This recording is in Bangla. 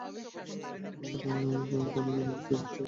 কানমাণি, বোঝতে চেষ্টা করো।